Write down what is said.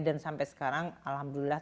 dan sampai sekarang alhamdulillah